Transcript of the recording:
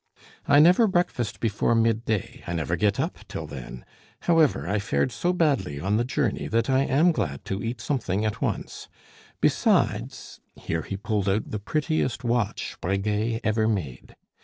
"I never breakfast before midday; I never get up till then. However, I fared so badly on the journey that I am glad to eat something at once. Besides " here he pulled out the prettiest watch Breguet ever made.